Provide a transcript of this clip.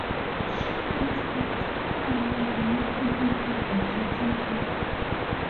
She lives in Cricklewood with her husband and two children.